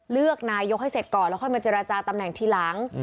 เลือกนายกให้เสร็จก่อนแล้วค่อยมาเจรจาตำแหน่งทีหลัง